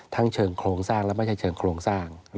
เชิงโครงสร้างและไม่ใช่เชิงโครงสร้าง